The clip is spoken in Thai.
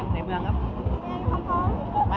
ในเมืองครับ